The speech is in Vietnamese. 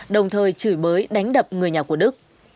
đồng thời chửi bới đánh đập người nhà của đức